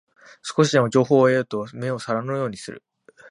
少しでも情報を得ようと目を皿のようにする